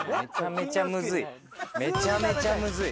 めちゃめちゃむずい。